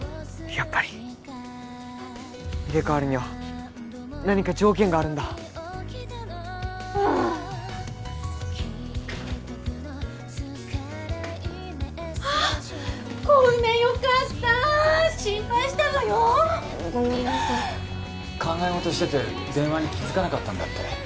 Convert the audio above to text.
やっぱり入れ替わるには何か条件があるんだはああっ小梅よかった心配したのよごめんなさい考えごとしてて電話に気づかなかったんだって